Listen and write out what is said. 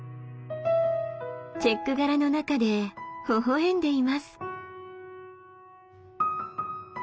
チェック柄の中でほほ笑んでいます。